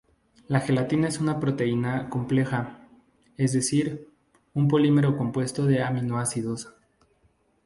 La gelatina es una proteína compleja, es decir, un polímero compuesto de aminoácidos.